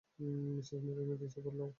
Mrs Merino, দিশা বদলাও।